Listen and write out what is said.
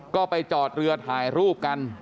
ก็ไปจอดเรือถ่ายรูปกัน